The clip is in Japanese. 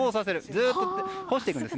ずっと干していくんです。